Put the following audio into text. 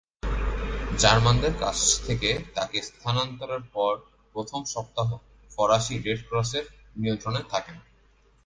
জার্মানদের কাছ থেকে তাকে স্থানান্তরের পর প্রথম সপ্তাহ ফরাসী রেড ক্রসের নিয়ন্ত্রণে থাকেন।